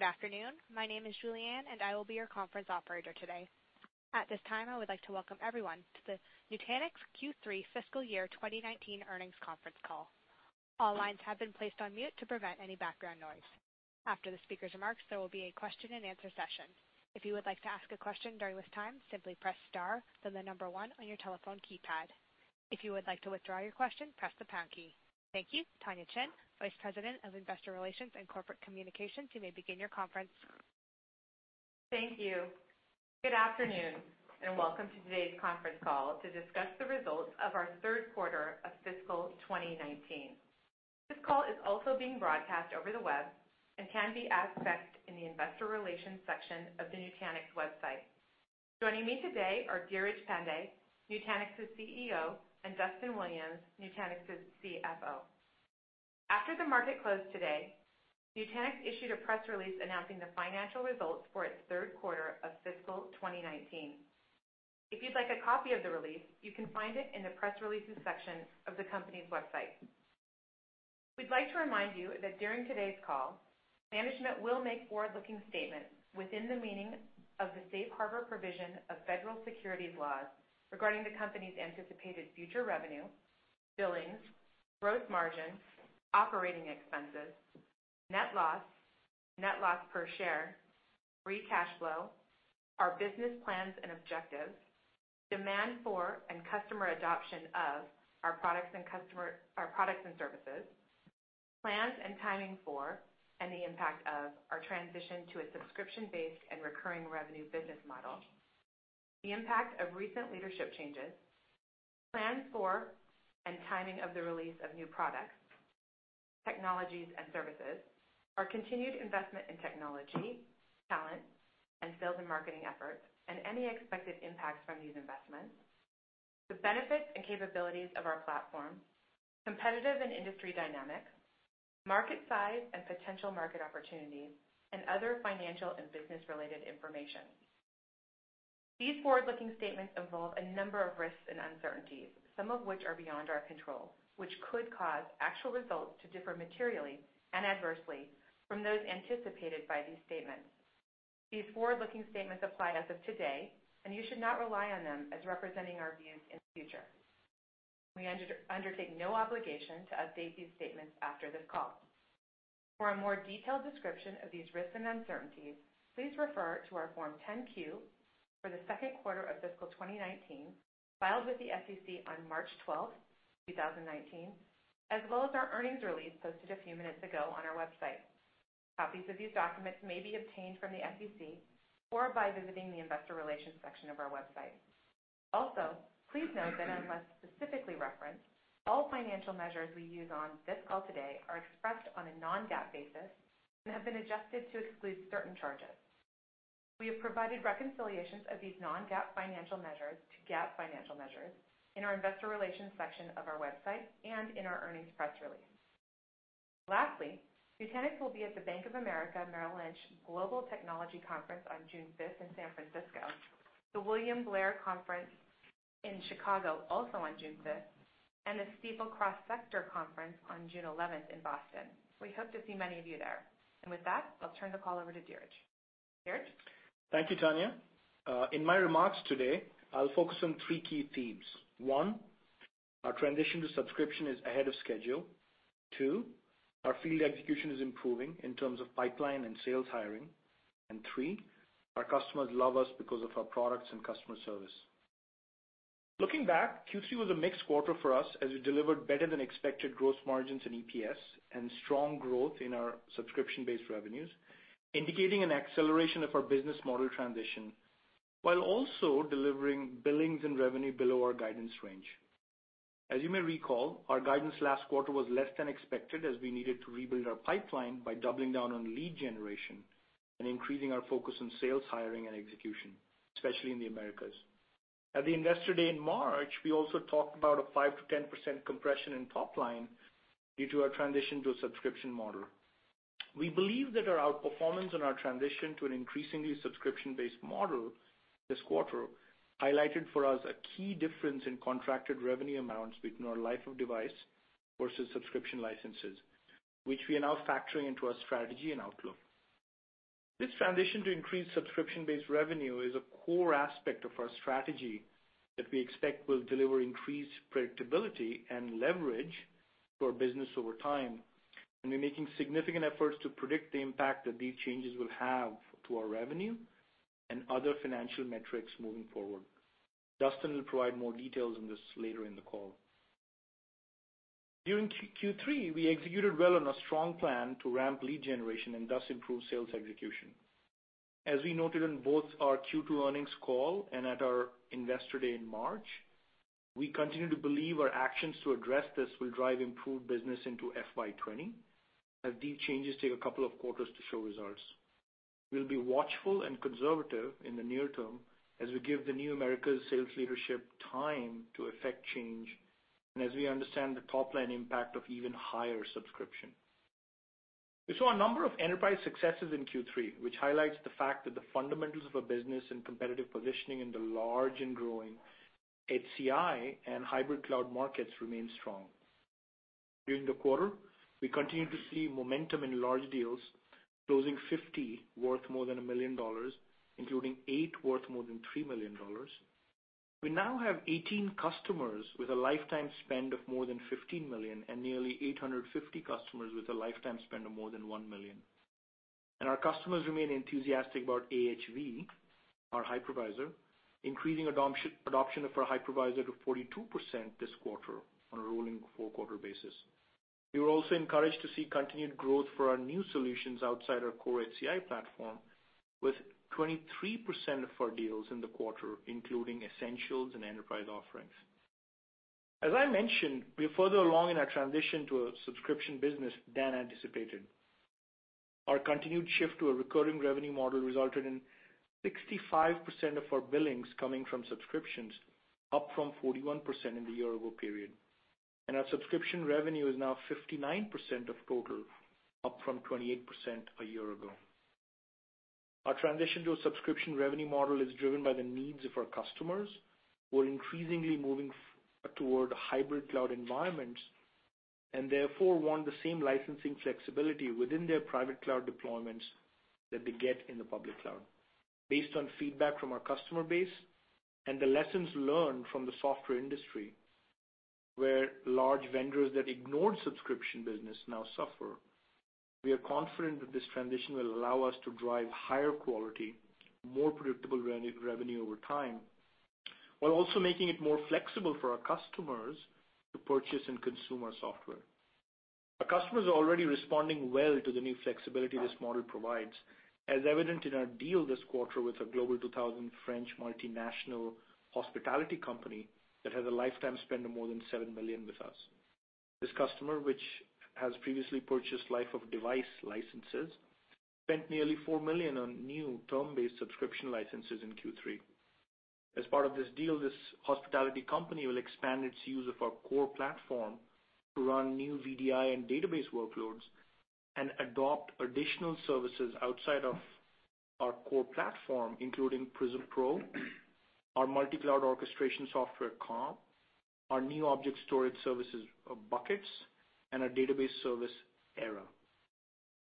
Good afternoon. My name is Julianne, and I will be your conference operator today. At this time, I would like to welcome everyone to the Nutanix Q3 Fiscal Year 2019 earnings conference call. All lines have been placed on mute to prevent any background noise. After the speaker's remarks, there will be a question and answer session. If you would like to ask a question during this time, simply press star, then the number 1 on your telephone keypad. If you would like to withdraw your question, press the pound key. Thank you. Tonya Chin, Vice President of Investor Relations and Corporate Communications, you may begin your conference. Thank you. Good afternoon, and welcome to today's conference call to discuss the results of our third quarter of fiscal 2019. This call is also being broadcast over the web and can be accessed in the Investor Relations section of the Nutanix website. Joining me today are Dheeraj Pandey, Nutanix's CEO, and Duston Williams, Nutanix's CFO. After the market closed today, Nutanix issued a press release announcing the financial results for its third quarter of fiscal 2019. If you'd like a copy of the release, you can find it in the press releases section of the company's website. We'd like to remind you that during today's call, management will make forward-looking statements within the meaning of the Safe Harbor provision of Federal Securities laws regarding the company's anticipated future revenue, billings, gross margin, operating expenses, net loss, net loss per share, free cash flow, our business plans and objectives, demand for and customer adoption of our products and services, plans and timing for, and the impact of our transition to a subscription-based and recurring revenue business model, the impact of recent leadership changes, plans for and timing of the release of new products, technologies, and services, our continued investment in technology, talent, and sales and marketing efforts, and any expected impacts from these investments, the benefits and capabilities of our platform, competitive and industry dynamics, market size and potential market opportunities, and other financial and business-related information. These forward-looking statements involve a number of risks and uncertainties, some of which are beyond our control, which could cause actual results to differ materially and adversely from those anticipated by these statements. These forward-looking statements apply as of today, and you should not rely on them as representing our views in the future. We undertake no obligation to update these statements after this call. For a more detailed description of these risks and uncertainties, please refer to our Form 10-Q for the second quarter of fiscal 2019, filed with the SEC on March 12, 2019, as well as our earnings release posted a few minutes ago on our website. Copies of these documents may be obtained from the SEC or by visiting the Investor Relations section of our website. Please note that unless specifically referenced, all financial measures we use on this call today are expressed on a non-GAAP basis and have been adjusted to exclude certain charges. We have provided reconciliations of these non-GAAP financial measures to GAAP financial measures in our investor relations section of our website and in our earnings press release. Lastly, Nutanix will be at the Bank of America Merrill Lynch Global Technology Conference on June 5th in San Francisco, the William Blair Conference in Chicago also on June 5th, and the Stifel Cross Sector Conference on June 11th in Boston. We hope to see many of you there. With that, I'll turn the call over to Dheeraj. Dheeraj? Thank you, Tonya. In my remarks today, I'll focus on three key themes. One, our transition to subscription is ahead of schedule. Two, our field execution is improving in terms of pipeline and sales hiring. Three, our customers love us because of our products and customer service. Looking back, Q3 was a mixed quarter for us as we delivered better than expected gross margins and EPS, and strong growth in our subscription-based revenues, indicating an acceleration of our business model transition, while also delivering billings and revenue below our guidance range. As you may recall, our guidance last quarter was less than expected as we needed to rebuild our pipeline by doubling down on lead generation and increasing our focus on sales hiring and execution, especially in the Americas. At the Investor Day in March, we also talked about a 5%-10% compression in top line due to our transition to a subscription model. We believe that our outperformance and our transition to an increasingly subscription-based model this quarter highlighted for us a key difference in contracted revenue amounts between our life of device versus subscription licenses, which we are now factoring into our strategy and outlook. This transition to increased subscription-based revenue is a core aspect of our strategy that we expect will deliver increased predictability and leverage to our business over time, and we're making significant efforts to predict the impact that these changes will have to our revenue and other financial metrics moving forward. Duston will provide more details on this later in the call. During Q3, we executed well on a strong plan to ramp lead generation and thus improve sales execution. We noted on both our Q2 earnings call and at our Investor Day in March, we continue to believe our actions to address this will drive improved business into FY 2020, as these changes take a couple of quarters to show results. We'll be watchful and conservative in the near term as we give the new Americas sales leadership time to effect change and as we understand the top-line impact of even higher subscription. We saw a number of enterprise successes in Q3, which highlights the fact that the fundamentals of a business and competitive positioning in the large and growing HCI and hybrid cloud markets remain strong. During the quarter, we continued to see momentum in large deals, closing 50 worth more than $1 million, including 8 worth more than $3 million. We now have 18 customers with a lifetime spend of more than $15 million and nearly 850 customers with a lifetime spend of more than $1 million. Our customers remain enthusiastic about AHV, our hypervisor, increasing adoption of our hypervisor to 42% this quarter on a rolling four-quarter basis. We were also encouraged to see continued growth for our new solutions outside our core HCI platform, with 23% of our deals in the quarter including Essentials and Enterprise offerings. As I mentioned, we are further along in our transition to a subscription business than anticipated. Our continued shift to a recurring revenue model resulted in 65% of our billings coming from subscriptions, up from 41% in the year-ago period. Our subscription revenue is now 59% of total, up from 28% a year ago. Our transition to a subscription revenue model is driven by the needs of our customers, who are increasingly moving toward hybrid cloud environments and therefore want the same licensing flexibility within their private cloud deployments that they get in the public cloud. Based on feedback from our customer base and the lessons learned from the software industry, where large vendors that ignored subscription business now suffer, we are confident that this transition will allow us to drive higher quality, more predictable revenue over time, while also making it more flexible for our customers to purchase and consume our software. Our customers are already responding well to the new flexibility this model provides, as evident in our deal this quarter with a Global 2000 French multinational hospitality company that has a lifetime spend of more than $7 million with us. This customer, which has previously purchased life-of-device licenses, spent nearly $4 million on new term-based subscription licenses in Q3. As part of this deal, this hospitality company will expand its use of our core platform to run new VDI and database workloads and adopt additional services outside of our core platform, including Prism Pro, our multi-cloud orchestration software, Calm, our new object storage services, Buckets, and our database service, Era.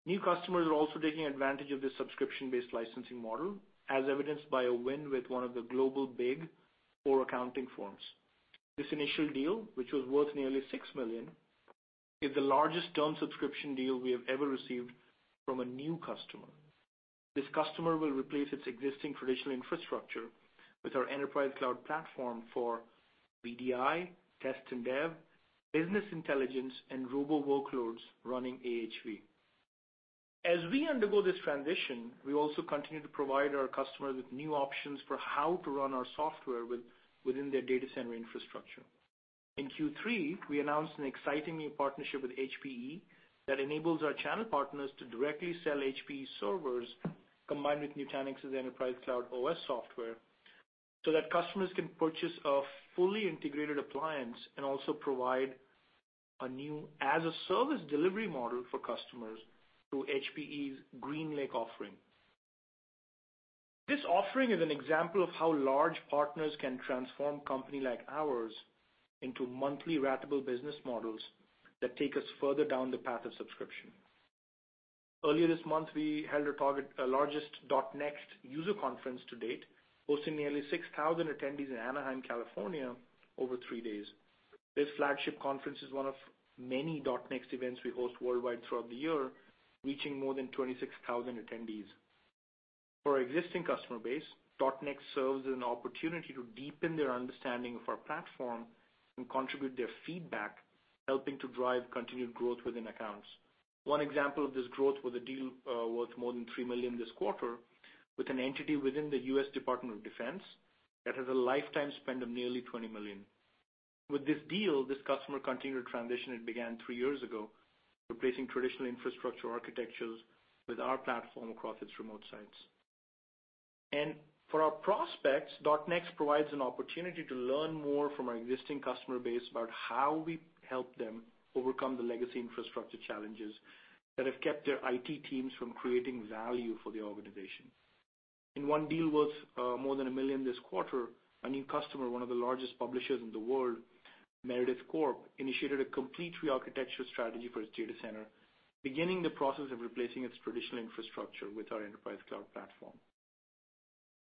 New customers are also taking advantage of this subscription-based licensing model, as evidenced by a win with one of the global big four accounting firms. This initial deal, which was worth nearly $6 million, is the largest term subscription deal we have ever received from a new customer. This customer will replace its existing traditional infrastructure with our enterprise cloud platform for VDI, test and dev, business intelligence, and robo workloads running AHV. As we undergo this transition, we also continue to provide our customers with new options for how to run our software within their data center infrastructure. In Q3, we announced an exciting new partnership with HPE that enables our channel partners to directly sell HPE servers combined with Nutanix's Enterprise Cloud OS software so that customers can purchase a fully integrated appliance and also provide a new as-a-service delivery model for customers through HPE's GreenLake offering. This offering is an example of how large partners can transform company like ours into monthly ratable business models that take us further down the path of subscription. Earlier this month, we held our largest .NEXT user conference to date, hosting nearly 6,000 attendees in Anaheim, California, over three days. This flagship conference is one of many .NEXT events we host worldwide throughout the year, reaching more than 26,000 attendees. For our existing customer base, .NEXT serves as an opportunity to deepen their understanding of our platform and contribute their feedback, helping to drive continued growth within accounts. One example of this growth was a deal worth more than $3 million this quarter with an entity within the U.S. Department of Defense that has a lifetime spend of nearly $20 million. With this deal, this customer continued transition it began three years ago, replacing traditional infrastructure architectures with our platform across its remote sites. For our prospects, .NEXT provides an opportunity to learn more from our existing customer base about how we help them overcome the legacy infrastructure challenges that have kept their IT teams from creating value for the organization. In one deal worth more than $1 million this quarter, a new customer, one of the largest publishers in the world, Meredith Corp., initiated a complete re-architecture strategy for its data center, beginning the process of replacing its traditional infrastructure with our Enterprise Cloud platform.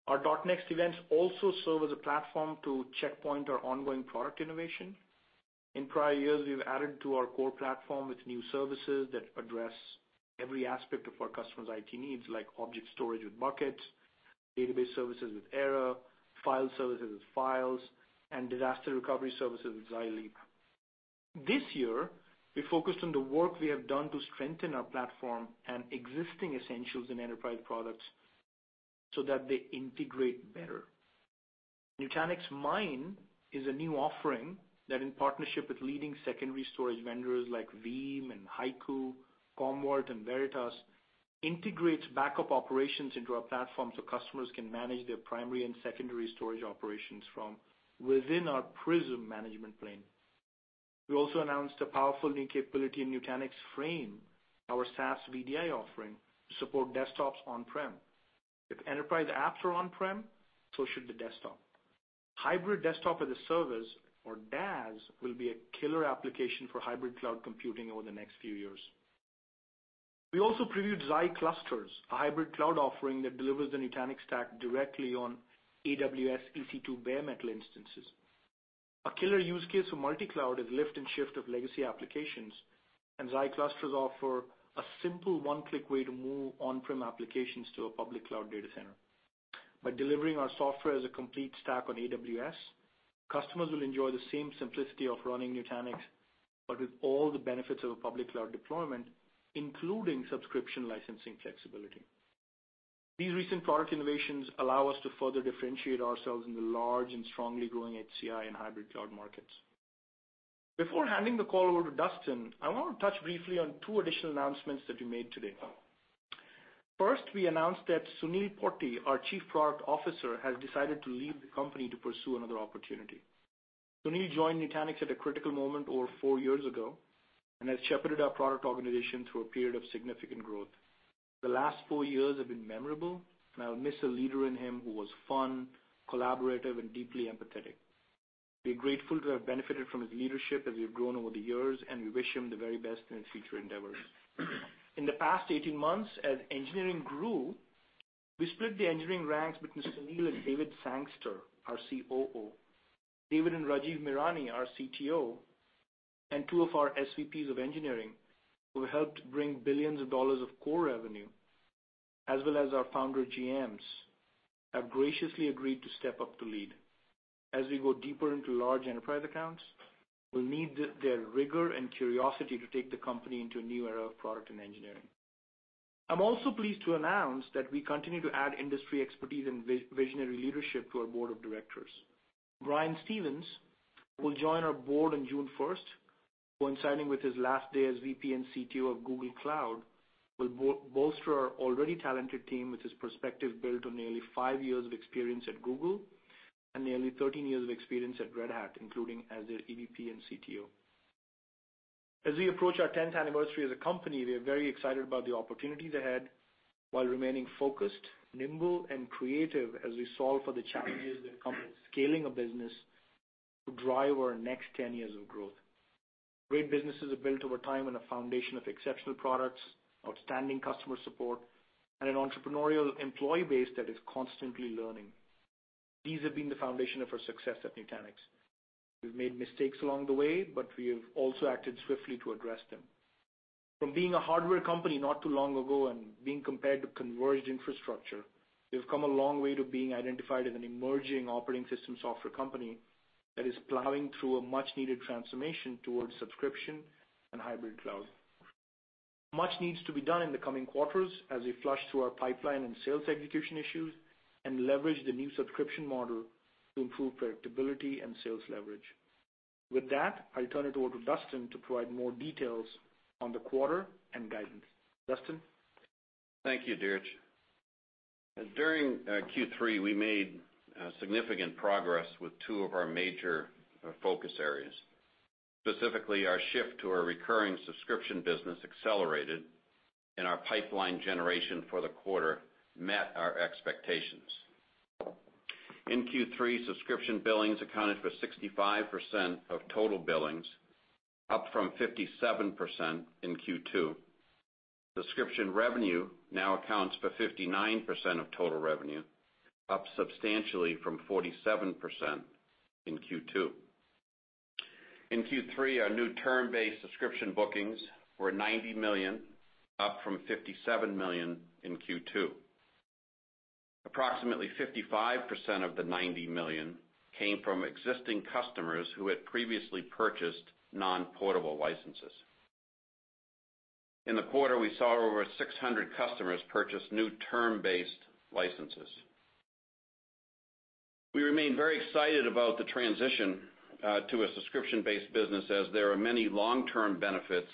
Our .NEXT events also serve as a platform to checkpoint our ongoing product innovation. In prior years, we've added to our core platform with new services that address every aspect of our customer's IT needs, like object storage with Buckets, database services with Era, file services with Files, and disaster recovery services with Xi Leap. This year, we focused on the work we have done to strengthen our platform and existing Essentials and Enterprise products so that they integrate better. Nutanix Mine is a new offering that, in partnership with leading secondary storage vendors like Veeam and HYCU, Commvault, and Veritas, integrates backup operations into our platform so customers can manage their primary and secondary storage operations from within our Prism management plane. We also announced a powerful new capability in Nutanix Frame, our SaaS VDI offering to support desktops on-prem. If enterprise apps are on-prem, so should the desktop. Hybrid Desktop as a Service, or DaaS, will be a killer application for hybrid cloud computing over the next few years. We also previewed Xi Clusters, a hybrid cloud offering that delivers the Nutanix stack directly on AWS EC2 bare metal instances. A killer use case for multi-cloud is lift and shift of legacy applications, and Xi Clusters offer a simple one-click way to move on-prem applications to a public cloud data center. By delivering our software as a complete stack on AWS, customers will enjoy the same simplicity of running Nutanix, but with all the benefits of a public cloud deployment, including subscription licensing flexibility. These recent product innovations allow us to further differentiate ourselves in the large and strongly growing HCI and hybrid cloud markets. Before handing the call over to Duston, I want to touch briefly on two additional announcements that we made today. First, we announced that Sunil Potti, our Chief Product Officer, has decided to leave the company to pursue another opportunity. Sunil joined Nutanix at a critical moment over four years ago and has shepherded our product organization through a period of significant growth. The last four years have been memorable, and I will miss a leader in him who was fun, collaborative, and deeply empathetic. We are grateful to have benefited from his leadership as we've grown over the years, and we wish him the very best in his future endeavors. In the past 18 months, as engineering grew, we split the engineering ranks between Sunil and David Sangster, our COO. David and Rajiv Mirani, our CTO, and two of our SVPs of engineering, who have helped bring billions of dollars of core revenue, as well as our founder GMs, have graciously agreed to step up to lead. As we go deeper into large enterprise accounts, we will need their rigor and curiosity to take the company into a new era of product and engineering. I am also pleased to announce that we continue to add industry expertise and visionary leadership to our board of directors. Brian Stevens will join our board on June 1st, coinciding with his last day as VP and CTO of Google Cloud. will bolster our already talented team with his perspective built on nearly 5 years of experience at Google and nearly 13 years of experience at Red Hat, including as their EVP and CTO. As we approach our 10th anniversary as a company, we are very excited about the opportunities ahead while remaining focused, nimble, and creative as we solve for the challenges that come with scaling a business to drive our next 10 years of growth. Great businesses are built over time on a foundation of exceptional products, outstanding customer support, and an entrepreneurial employee base that is constantly learning. These have been the foundation of our success at Nutanix. We have made mistakes along the way, but we have also acted swiftly to address them. From being a hardware company not too long ago and being compared to converged infrastructure, we have come a long way to being identified as an emerging operating system software company that is plowing through a much-needed transformation towards subscription and hybrid cloud. Much needs to be done in the coming quarters as we flush through our pipeline and sales execution issues and leverage the new subscription model to improve predictability and sales leverage. With that, I turn it over to Duston to provide more details on the quarter and guidance. Duston? Thank you, Dheeraj. During Q3, we made significant progress with two of our major focus areas. Specifically, our shift to our recurring subscription business accelerated, and our pipeline generation for the quarter met our expectations. In Q3, subscription billings accounted for 65% of total billings, up from 57% in Q2. Subscription revenue now accounts for 59% of total revenue, up substantially from 47% in Q2. In Q3, our new term-based subscription bookings were $90 million, up from $57 million in Q2. Approximately 55% of the $90 million came from existing customers who had previously purchased non-portable licenses. In the quarter, we saw over 600 customers purchase new term-based licenses. We remain very excited about the transition to a subscription-based business as there are many long-term benefits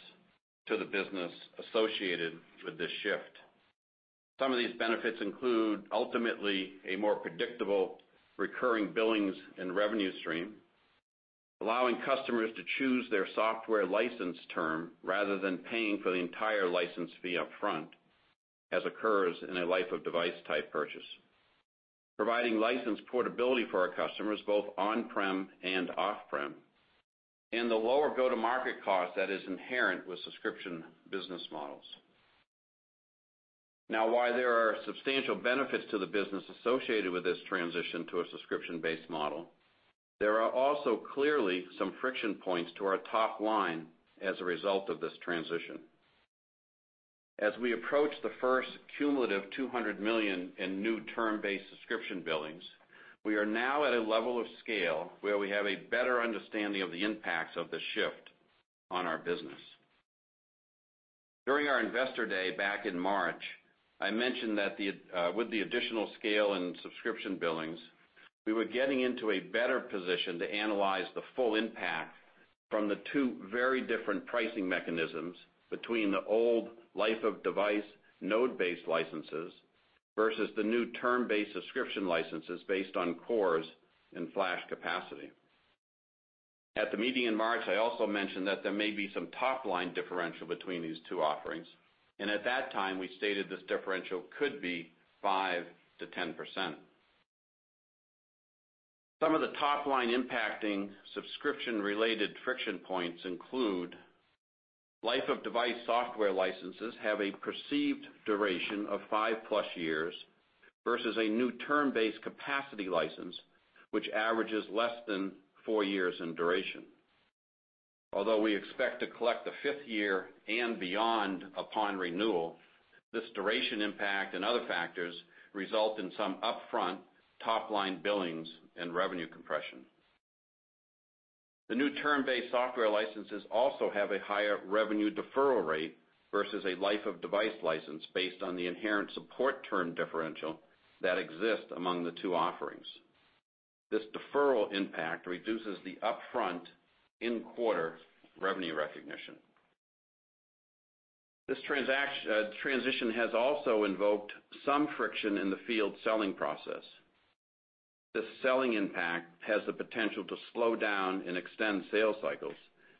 to the business associated with this shift. Some of these benefits include, ultimately, a more predictable recurring billings and revenue stream, allowing customers to choose their software license term rather than paying for the entire license fee up front, as occurs in a life-of-device-type purchase. Providing license portability for our customers, both on-prem and off-prem, and the lower go-to-market cost that is inherent with subscription business models. Now, while there are substantial benefits to the business associated with this transition to a subscription-based model, there are also clearly some friction points to our top line as a result of this transition. As we approach the first cumulative $200 million in new term-based subscription billings, we are now at a level of scale where we have a better understanding of the impacts of the shift on our business. During our investor day back in March, I mentioned that with the additional scale in subscription billings, we were getting into a better position to analyze the full impact from the two very different pricing mechanisms between the old life-of-device node-based licenses versus the new term-based subscription licenses based on cores and flash capacity. At the meeting in March, I also mentioned that there may be some top-line differential between these two offerings, and at that time, we stated this differential could be 5%-10%. Some of the top-line impacting subscription-related friction points include life-of-device software licenses have a perceived duration of five+ years versus a new term-based capacity license, which averages less than four years in duration. Although we expect to collect the fifth year and beyond upon renewal, this duration impact and other factors result in some upfront top-line billings and revenue compression. The new term-based software licenses also have a higher revenue deferral rate versus a life-of-device license based on the inherent support term differential that exists among the two offerings. This deferral impact reduces the upfront in-quarter revenue recognition. This transition has also invoked some friction in the field selling process. This selling impact has the potential to slow down and extend sales cycles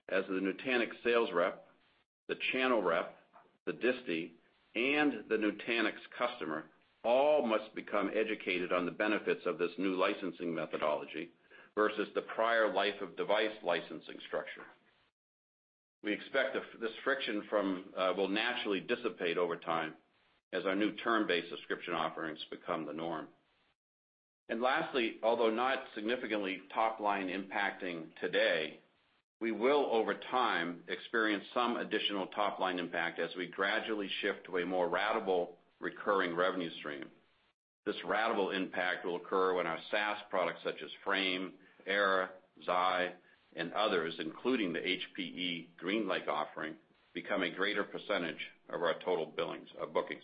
as the Nutanix sales rep, the channel rep, the distie, and the Nutanix customer all must become educated on the benefits of this new licensing methodology versus the prior life-of-device licensing structure. We expect this friction will naturally dissipate over time as our new term-based subscription offerings become the norm. Lastly, although not significantly top-line impacting today, we will over time experience some additional top-line impact as we gradually shift to a more ratable recurring revenue stream. This ratable impact will occur when our SaaS products such as Frame, Era, Xi, and others, including the HPE GreenLake offering, become a greater percentage of our total bookings.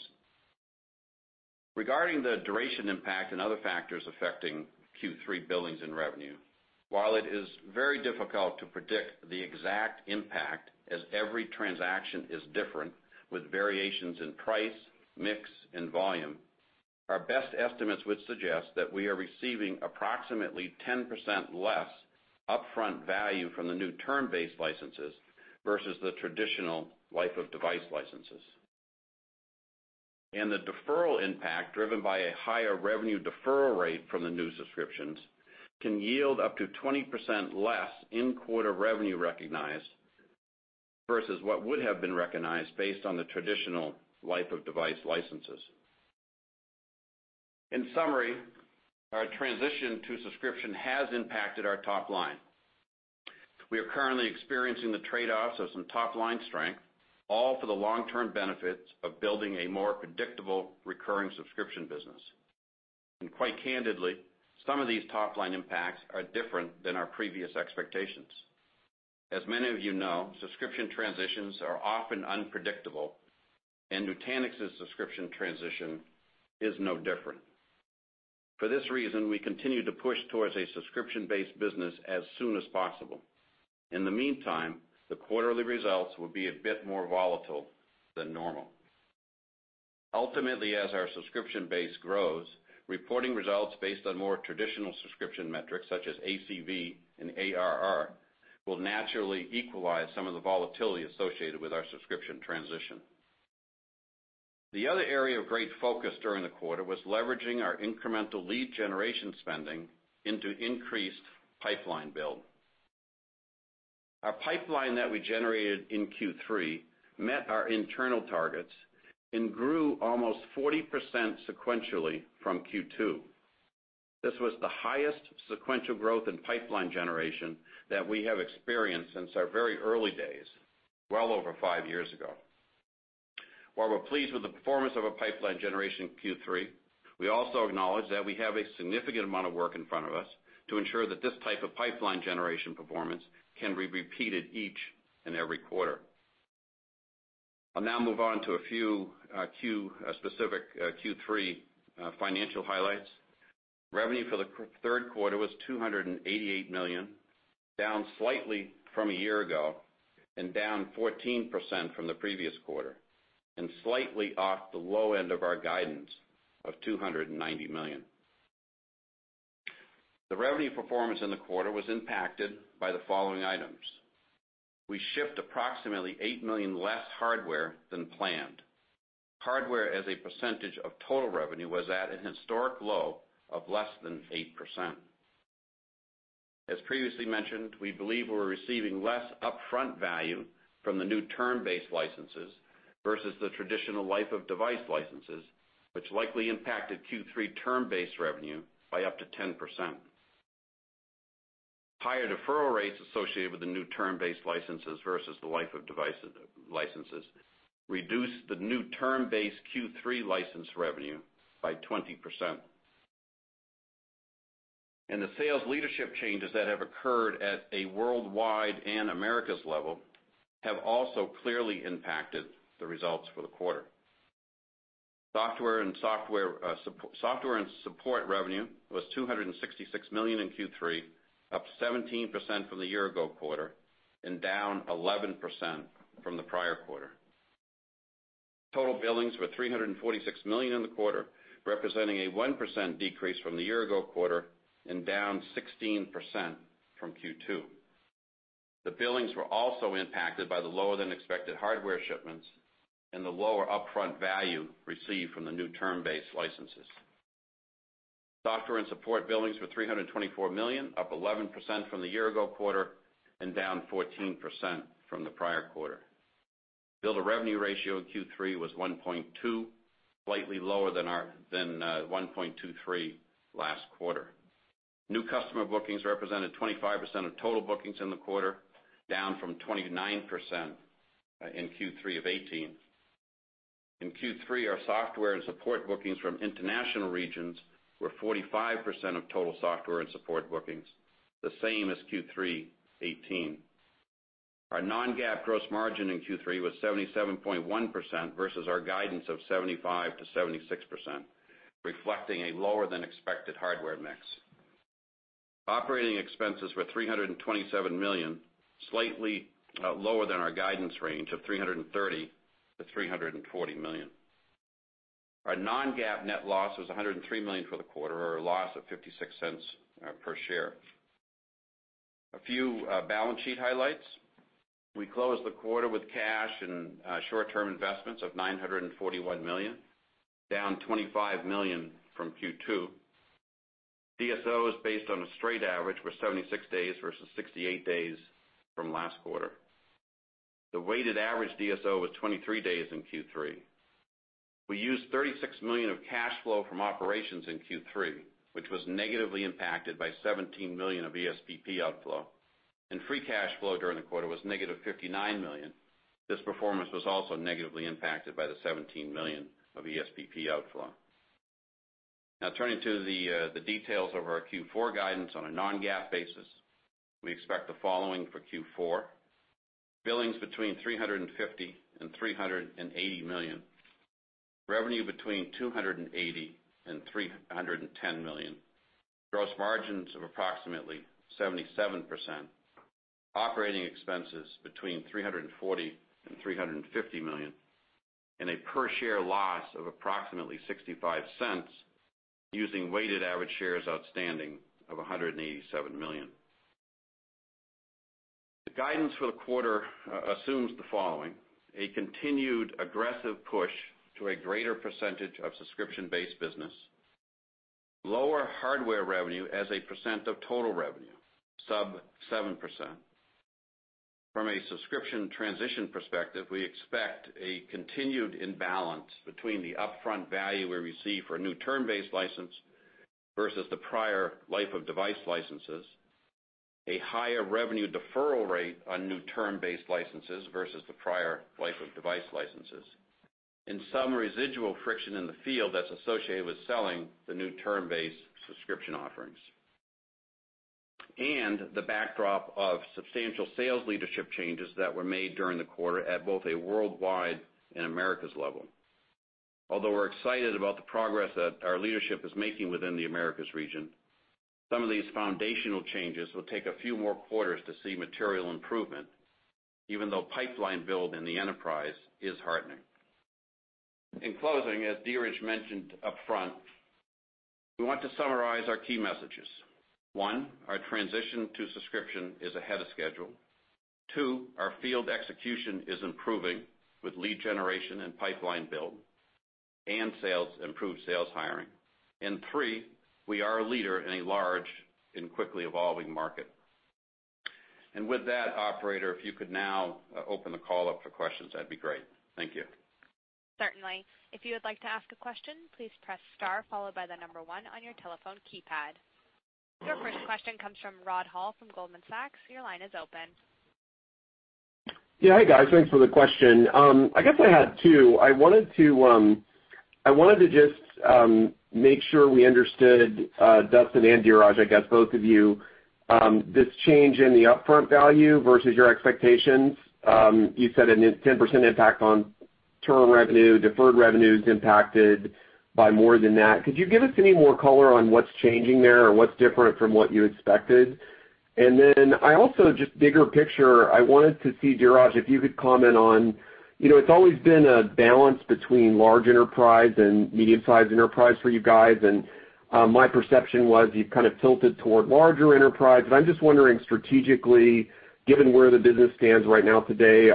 Regarding the duration impact and other factors affecting Q3 billings and revenue, while it is very difficult to predict the exact impact as every transaction is different with variations in price, mix, and volume, our best estimates would suggest that we are receiving approximately 10% less upfront value from the new term-based licenses versus the traditional life-of-device licenses. The deferral impact, driven by a higher revenue deferral rate from the new subscriptions, can yield up to 20% less in-quarter revenue recognized versus what would have been recognized based on the traditional life-of-device licenses. In summary, our transition to subscription has impacted our top line. We are currently experiencing the trade-offs of some top-line strength, all for the long-term benefits of building a more predictable recurring subscription business. Quite candidly, some of these top-line impacts are different than our previous expectations. As many of you know, subscription transitions are often unpredictable, and Nutanix's subscription transition is no different. For this reason, we continue to push towards a subscription-based business as soon as possible. In the meantime, the quarterly results will be a bit more volatile than normal. Ultimately, as our subscription base grows, reporting results based on more traditional subscription metrics such as ACV and ARR will naturally equalize some of the volatility associated with our subscription transition. The other area of great focus during the quarter was leveraging our incremental lead generation spending into increased pipeline build. Our pipeline that we generated in Q3 met our internal targets and grew almost 40% sequentially from Q2. This was the highest sequential growth in pipeline generation that we have experienced since our very early days, well over five years ago. While we're pleased with the performance of our pipeline generation in Q3, we also acknowledge that we have a significant amount of work in front of us to ensure that this type of pipeline generation performance can be repeated each and every quarter. I'll now move on to a few specific Q3 financial highlights. Revenue for the third quarter was $288 million, down slightly from a year ago, and down 14% from the previous quarter, and slightly off the low end of our guidance of $290 million. The revenue performance in the quarter was impacted by the following items. We shipped approximately $8 million less hardware than planned. Hardware as a percentage of total revenue was at an historic low of less than 8%. As previously mentioned, we believe we're receiving less upfront value from the new term-based licenses versus the traditional life-of-device licenses, which likely impacted Q3 term-based revenue by up to 10%. Higher deferral rates associated with the new term-based licenses versus the life-of-device licenses reduced the new term-based Q3 license revenue by 20%. The sales leadership changes that have occurred at a worldwide and Americas level have also clearly impacted the results for the quarter. Software and support revenue was $266 million in Q3, up 17% from the year ago quarter and down 11% from the prior quarter. Total billings were $346 million in the quarter, representing a 1% decrease from the year-ago quarter and down 16% from Q2. The billings were also impacted by the lower than expected hardware shipments and the lower upfront value received from the new term-based licenses. Software and support billings were $324 million, up 11% from the year-ago quarter and down 14% from the prior quarter. Bill to revenue ratio in Q3 was 1.2, slightly lower than 1.23 last quarter. New customer bookings represented 25% of total bookings in the quarter, down from 29% in Q3 of 2018. In Q3, our software and support bookings from international regions were 45% of total software and support bookings, the same as Q3 2018. Our non-GAAP gross margin in Q3 was 77.1% versus our guidance of 75%-76%, reflecting a lower than expected hardware mix. Operating expenses were $327 million, slightly lower than our guidance range of $330 million-$340 million. Our non-GAAP net loss was $103 million for the quarter, or a loss of $0.56 per share. A few balance sheet highlights. We closed the quarter with cash and short-term investments of $941 million, down $25 million from Q2. DSOs based on a straight average were 76 days versus 68 days from last quarter. The weighted average DSO was 23 days in Q3. We used $36 million of cash flow from operations in Q3, which was negatively impacted by $17 million of ESPP outflow, and free cash flow during the quarter was negative $59 million. This performance was also negatively impacted by the $17 million of ESPP outflow. Now turning to the details of our Q4 guidance on a non-GAAP basis. We expect the following for Q4. Billings between $350 million-$380 million. Revenue between $280 million-$310 million. Gross margins of approximately 77%. Operating expenses between $340 million-$350 million, and a per-share loss of approximately $0.65 using weighted average shares outstanding of 187 million. The guidance for the quarter assumes the following. A continued aggressive push to a greater percentage of subscription-based business, lower hardware revenue as a percent of total revenue, sub 7%. From a subscription transition perspective, we expect a continued imbalance between the upfront value we receive for a new term-based license versus the prior life-of-device licenses, a higher revenue deferral rate on new term-based licenses versus the prior life-of-device licenses, and some residual friction in the field that's associated with selling the new term-based subscription offerings. The backdrop of substantial sales leadership changes that were made during the quarter at both a worldwide and Americas level. Although we're excited about the progress that our leadership is making within the Americas region, some of these foundational changes will take a few more quarters to see material improvement, even though pipeline build in the enterprise is heartening. In closing, as Dheeraj mentioned upfront, we want to summarize our key messages. One, our transition to subscription is ahead of schedule. Two, our field execution is improving with lead generation and pipeline build and improved sales hiring. Three, we are a leader in a large and quickly evolving market. With that, operator, if you could now open the call up for questions, that'd be great. Thank you. Certainly. If you would like to ask a question, please press star followed by the number one on your telephone keypad. Your first question comes from Rod Hall from Goldman Sachs. Your line is open. Yeah, hi, guys. Thanks for the question. I guess I had two. I wanted to just make sure we understood, Duston and Dheeraj, I guess both of you, this change in the upfront value versus your expectations. You said a 10% impact on term revenue, deferred revenue's impacted by more than that. Could you give us any more color on what's changing there or what's different from what you expected? Then I also, just bigger picture, I wanted to see, Dheeraj, if you could comment on, it's always been a balance between large enterprise and medium-sized enterprise for you guys, and my perception was you've kind of tilted toward larger enterprise. I'm just wondering strategically, given where the business stands right now today,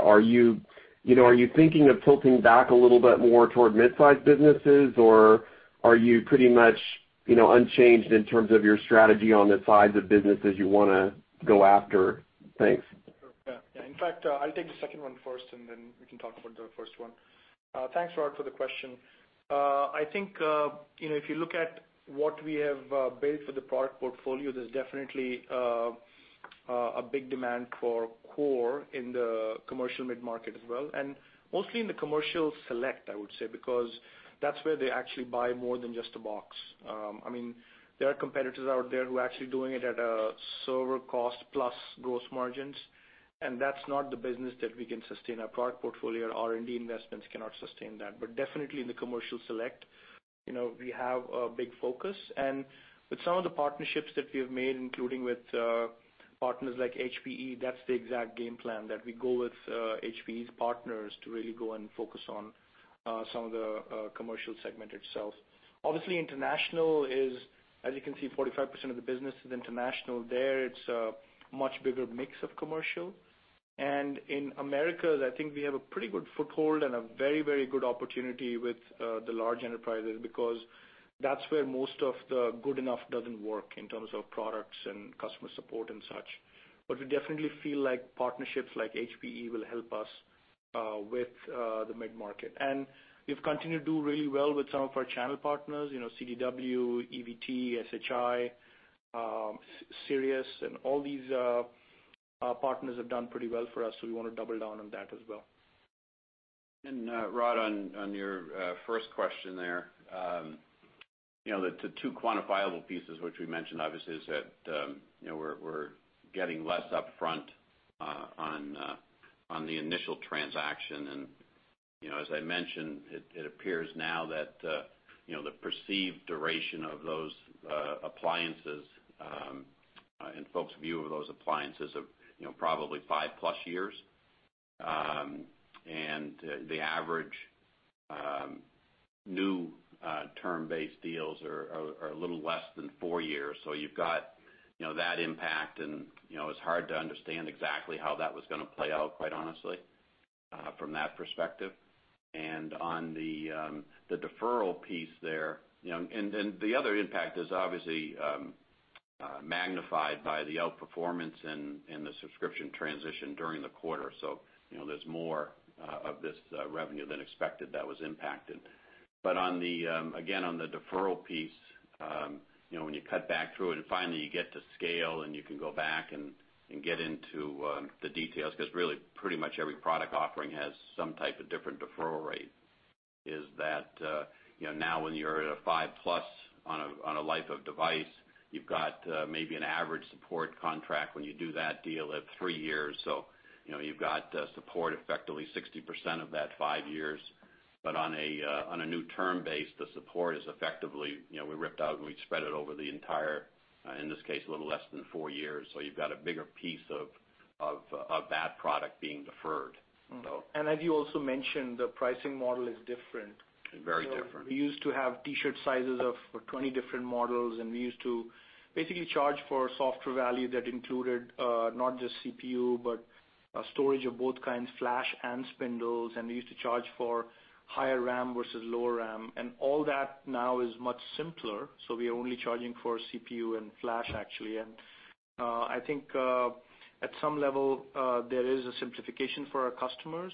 are you thinking of tilting back a little bit more toward mid-sized businesses, or are you pretty much unchanged in terms of your strategy on the size of businesses you want to go after? Thanks. Sure. Yeah. In fact, I'll take the second one first, and then we can talk about the first one. Thanks, Rod, for the question. I think, if you look at what we have built for the product portfolio, there's definitely a big demand for core in the commercial mid-market as well, and mostly in the commercial select, I would say, because- That's where they actually buy more than just a box. There are competitors out there who are actually doing it at a server cost plus gross margins, and that's not the business that we can sustain. Our product portfolio R&D investments cannot sustain that. Definitely in the commercial select, we have a big focus. With some of the partnerships that we have made, including with partners like HPE, that's the exact game plan, that we go with HPE's partners to really go and focus on some of the commercial segment itself. Obviously, international is, as you can see, 45% of the business is international. There, it's a much bigger mix of commercial. In Americas, I think we have a pretty good foothold and a very good opportunity with the large enterprises because that's where most of the good enough doesn't work in terms of products and customer support and such. We definitely feel like partnerships like HPE will help us with the mid-market. We've continued to do really well with some of our channel partners, CDW, ePlus, SHI, Sirius, and all these partners have done pretty well for us, so we want to double down on that as well. Rod, on your first question there. The two quantifiable pieces which we mentioned obviously is that we're getting less upfront on the initial transaction. As I mentioned, it appears now that the perceived duration of those appliances, in folks view of those appliances of probably 5-plus years. The average new term-based deals are a little less than 4 years. You've got that impact, and it's hard to understand exactly how that was going to play out, quite honestly, from that perspective. On the deferral piece there, the other impact is obviously magnified by the outperformance in the subscription transition during the quarter. There's more of this revenue than expected that was impacted. Again, on the deferral piece, when you cut back through it and finally you get to scale and you can go back and get into the details, because really pretty much every product offering has some type of different deferral rate, is that now when you're at a 5-plus on a life of device, you've got maybe an average support contract when you do that deal at 3 years. You've got support effectively 60% of that 5 years. On a new term base, the support is effectively, we ripped out and we spread it over the entire, in this case, a little less than 4 years. You've got a bigger piece of that product being deferred. As you also mentioned, the pricing model is different. Very different. We used to have T-shirt sizes of 20 different models, and we used to basically charge for software value that included not just CPU, but storage of both kinds, flash and spindles, and we used to charge for higher RAM versus lower RAM. All that now is much simpler. We are only charging for CPU and flash, actually. I think at some level, there is a simplification for our customers.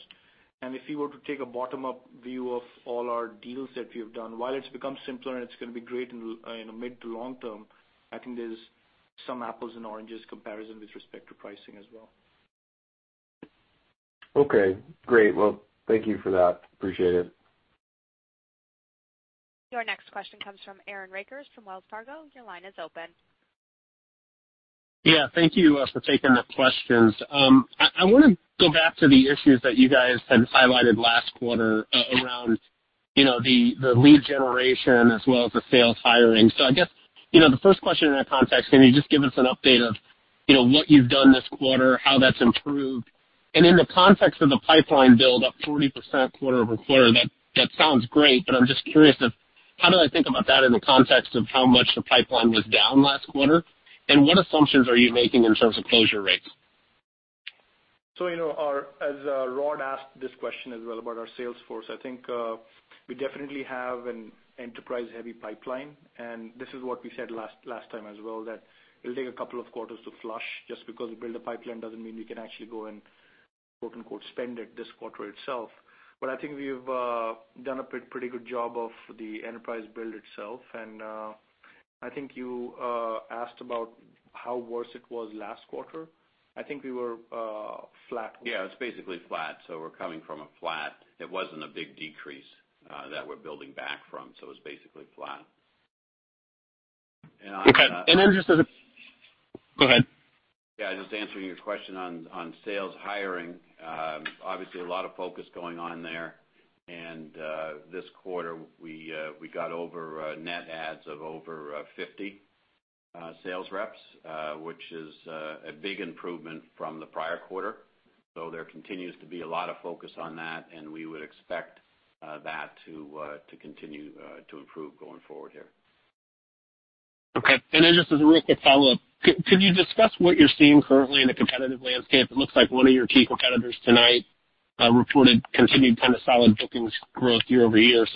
If you were to take a bottom-up view of all our deals that we have done, while it's become simpler and it's going to be great in the mid to long term, I think there's some apples and oranges comparison with respect to pricing as well. Okay, great. Well, thank you for that. Appreciate it. Your next question comes from Aaron Rakers from Wells Fargo. Your line is open. Yeah, thank you for taking the questions. I want to go back to the issues that you guys had highlighted last quarter around the lead generation as well as the sales hiring. I guess, the first question in that context, can you just give us an update of what you've done this quarter, how that's improved? In the context of the pipeline build up 40% quarter-over-quarter, that sounds great, but I'm just curious of how do I think about that in the context of how much the pipeline was down last quarter? What assumptions are you making in terms of closure rates? As Rod asked this question as well about our sales force, I think we definitely have an enterprise-heavy pipeline, and this is what we said last time as well, that it'll take a couple of quarters to flush. Just because we build a pipeline doesn't mean we can actually go and quote-unquote "spend it this quarter itself". I think we've done a pretty good job of the enterprise build itself. I think you asked about how worse it was last quarter. I think we were flat. Yeah, it was basically flat. We're coming from a flat. It wasn't a big decrease that we're building back from, so it was basically flat. Okay. Then Go ahead. Just answering your question on sales hiring. Obviously, a lot of focus going on there. This quarter, we got net adds of over 50 sales reps, which is a big improvement from the prior quarter. There continues to be a lot of focus on that, and we would expect that to continue to improve going forward here. Okay. Just as a real quick follow-up. Could you discuss what you're seeing currently in the competitive landscape? It looks like one of your key competitors tonight reported continued kind of solid bookings growth year-over-year.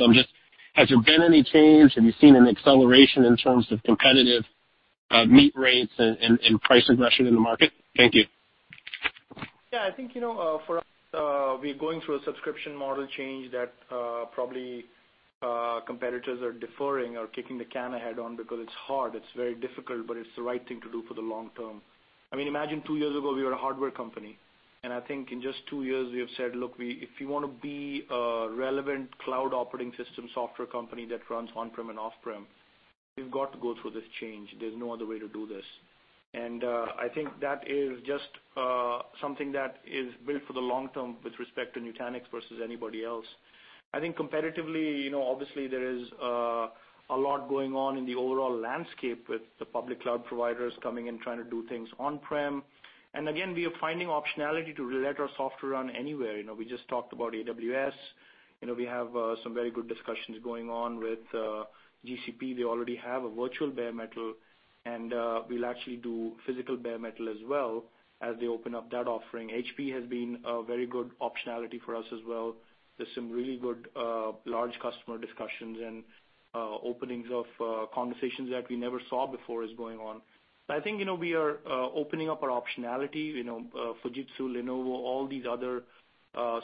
Has there been any change? Have you seen an acceleration in terms of competitive meet rates and price aggression in the market? Thank you. Yeah, I think for us, we're going through a subscription model change that probably competitors are deferring or kicking the can ahead on because it's hard. It's very difficult, but it's the right thing to do for the long term. Imagine two years ago, we were a hardware company. I think in just two years, we have said, look, if you want to be a relevant cloud operating system software company that runs on-prem and off-prem. We've got to go through this change. There's no other way to do this. I think that is just something that is built for the long term with respect to Nutanix versus anybody else. I think competitively, obviously, there is a lot going on in the overall landscape with the public cloud providers coming and trying to do things on-prem. Again, we are finding optionality to let our software run anywhere. We just talked about AWS. We have some very good discussions going on with GCP. They already have a virtual bare metal, and we'll actually do physical bare metal as well as they open up that offering. HPE has been a very good optionality for us as well. There's some really good large customer discussions and openings of conversations that we never saw before is going on. I think we are opening up our optionality. Fujitsu, Lenovo, all these other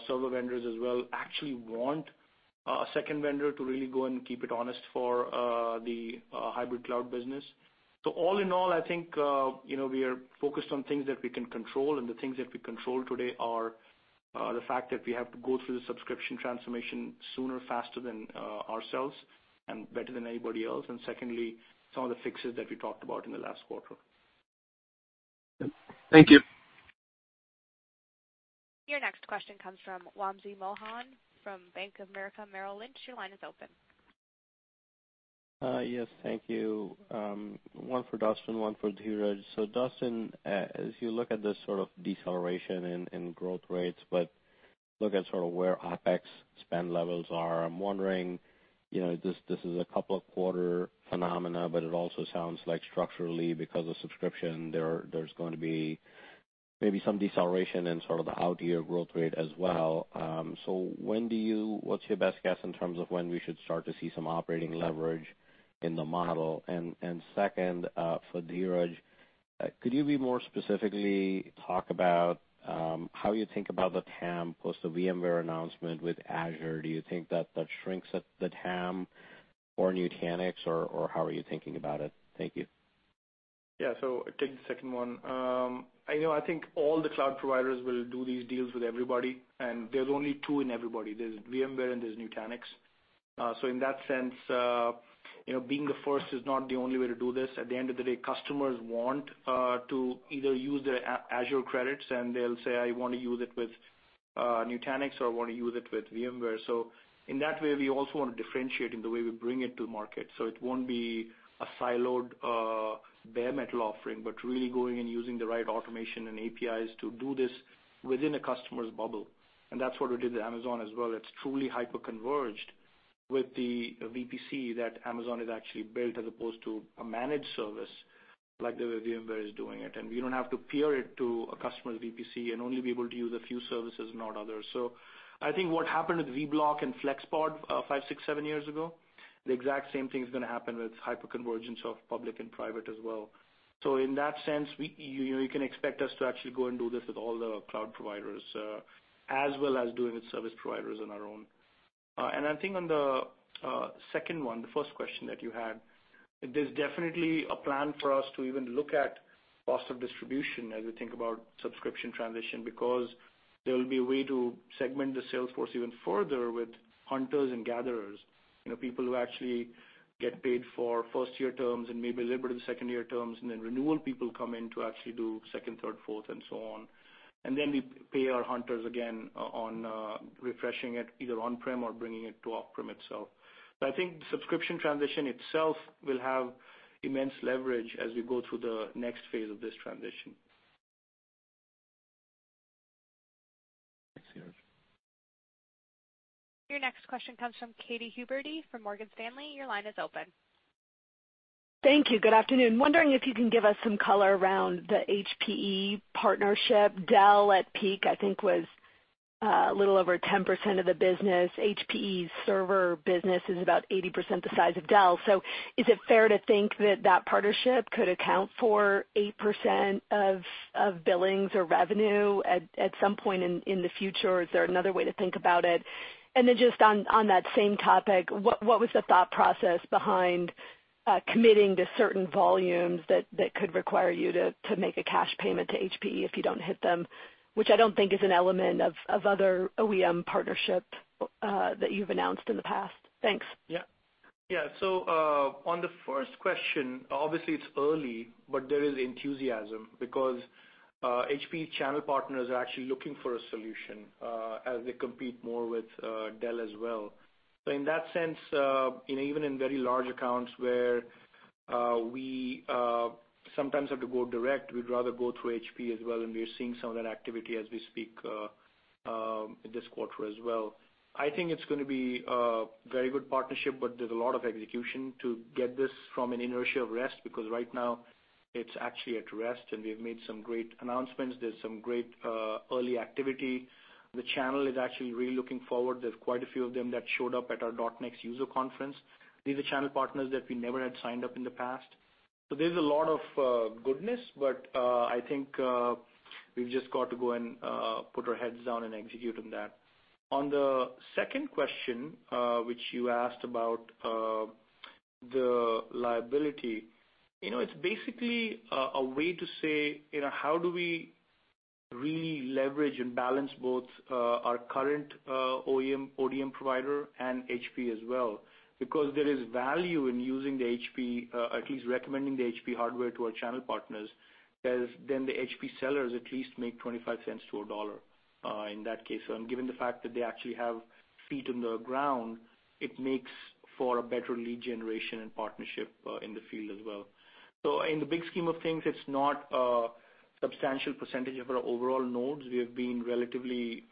server vendors as well actually want a second vendor to really go and keep it honest for the hybrid cloud business. All in all, I think, we are focused on things that we can control, and the things that we control today are the fact that we have to go through the subscription transformation sooner, faster than ourselves, and better than anybody else. Secondly, some of the fixes that we talked about in the last quarter. Thank you. Your next question comes from Wamsi Mohan from Bank of America Merrill Lynch. Your line is open. Yes, thank you. One for Duston, one for Dheeraj. Duston, as you look at this sort of deceleration in growth rates, but look at sort of where OpEx spend levels are, I'm wondering, this is a couple of quarter phenomena, but it also sounds like structurally because of subscription, there's going to be maybe some deceleration in sort of the out year growth rate as well. What's your best guess in terms of when we should start to see some operating leverage in the model? Second, for Dheeraj, could you be more specifically talk about how you think about the TAM post the VMware announcement with Azure? Do you think that that shrinks the TAM for Nutanix, or how are you thinking about it? Thank you. I'll take the second one. I think all the cloud providers will do these deals with everybody, and there's only two in everybody. There's VMware and there's Nutanix. In that sense, being the first is not the only way to do this. At the end of the day, customers want to either use their Azure credits and they'll say, "I want to use it with Nutanix," or, "I want to use it with VMware." In that way, we also want to differentiate in the way we bring it to market. It won't be a siloed bare metal offering, but really going and using the right automation and APIs to do this within a customer's bubble. That's what we did with Amazon as well. It's truly hyper-converged with the VPC that Amazon has actually built as opposed to a managed service like the way VMware is doing it. We don't have to peer it to a customer's VPC and only be able to use a few services, not others. I think what happened with Vblock and FlexPod five, six, seven years ago, the exact same thing's going to happen with hyperconvergence of public and private as well. In that sense, you can expect us to actually go and do this with all the cloud providers, as well as doing it with service providers on our own. I think on the second one, the first question that you had, there's definitely a plan for us to even look at cost of distribution as we think about subscription transition, because there'll be a way to segment the sales force even further with hunters and gatherers. People who actually get paid for first-year terms and maybe a little bit of the second-year terms, then renewal people come in to actually do second, third, fourth, and so on. Then we pay our hunters again on refreshing it, either on-prem or bringing it to op-prem itself. I think subscription transition itself will have immense leverage as we go through the next phase of this transition. Thanks, Dheeraj. Your next question comes from Katy Huberty from Morgan Stanley. Your line is open. Thank you. Good afternoon. Wondering if you can give us some color around the HPE partnership. Dell, at peak, I think was a little over 10% of the business. HPE's server business is about 80% the size of Dell. Is it fair to think that that partnership could account for 8% of billings or revenue at some point in the future, or is there another way to think about it? Just on that same topic, what was the thought process behind committing to certain volumes that could require you to make a cash payment to HPE if you don't hit them, which I don't think is an element of other OEM partnership that you've announced in the past. Thanks. On the first question, obviously it's early, but there is enthusiasm because HPE channel partners are actually looking for a solution as they compete more with Dell as well. In that sense, even in very large accounts where we sometimes have to go direct, we'd rather go through HPE as well, and we are seeing some of that activity as we speak this quarter as well. I think it's going to be a very good partnership, but there's a lot of execution to get this from an inertia of rest, because right now it's actually at rest, and we've made some great announcements. There's some great early activity. The channel is actually really looking forward. There's quite a few of them that showed up at our .NEXT user conference. These are channel partners that we never had signed up in the past. There's a lot of goodness, but I think we've just got to go and put our heads down and execute on that. On the second question, which you asked about the liability. It's basically a way to say, how do we really leverage and balance both our current ODM provider and HP as well. Because there is value in using the HP, at least recommending the HP hardware to our channel partners, as then the HP sellers at least make $0.25 to $1 in that case. Given the fact that they actually have feet on the ground, it makes for a better lead generation and partnership in the field as well. In the big scheme of things, it's not a substantial percentage of our overall nodes. We have been relatively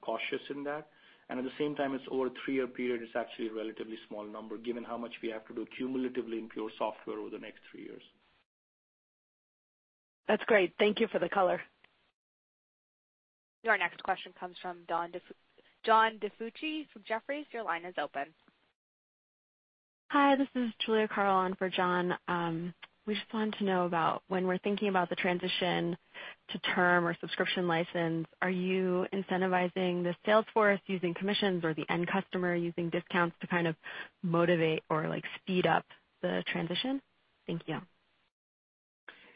cautious in that. At the same time, it's over a three-year period, it's actually a relatively small number, given how much we have to do cumulatively in Pure Software over the next three years. That's great. Thank you for the color. Your next question comes from John DiFucci from Jefferies. Your line is open. Hi, this is Julia Carl on for John. We just wanted to know about when we're thinking about the transition to term or subscription license, are you incentivizing the sales force using commissions or the end customer using discounts to kind of motivate or speed up the transition? Thank you.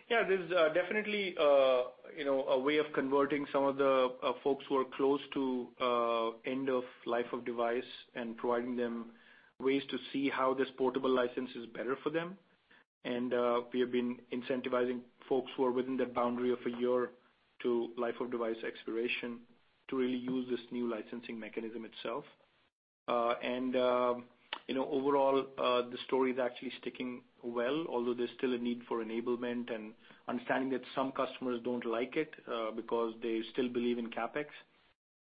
Yeah, there's definitely a way of converting some of the folks who are close to end of life of device and providing them ways to see how this portable license is better for them. We have been incentivizing folks who are within that boundary of a year to life of device expiration to really use this new licensing mechanism itself. Overall, the story is actually sticking well, although there's still a need for enablement and understanding that some customers don't like it because they still believe in CapEx,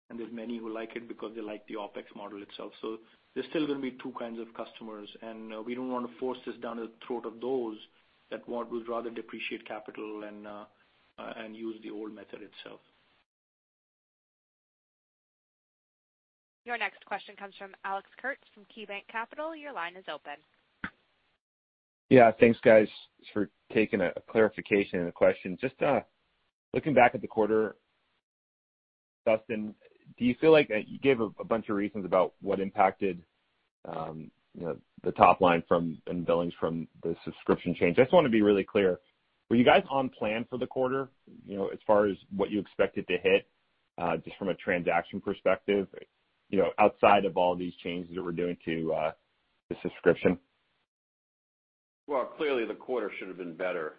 and there's many who like it because they like the OpEx model itself. There's still going to be two kinds of customers, and we don't want to force this down the throat of those that would rather depreciate capital and use the old method itself. Your next question comes from Alex Kurtz from KeyBanc Capital Markets. Your line is open. Thanks guys for taking a clarification and a question. Just looking back at the quarter, Duston, you gave a bunch of reasons about what impacted the top line from, and billings from the subscription change. I just want to be really clear. Were you guys on plan for the quarter, as far as what you expected to hit, just from a transaction perspective, outside of all these changes that we're doing to the subscription? Clearly, the quarter should have been better